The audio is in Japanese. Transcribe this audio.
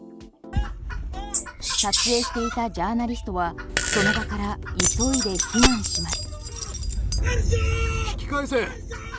撮影していたジャーナリストはその場から急いで避難します。